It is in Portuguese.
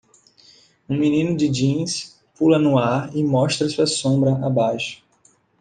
Um menino de jeans pula no ar e mostra sua sombra abaixo.